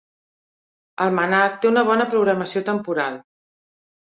El MNAC té una bona programació temporal.